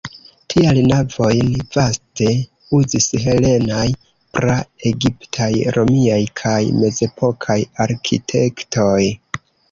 Tial navojn vaste uzis helenaj, pra-egiptaj, romiaj kaj mezepokaj arkitektoj.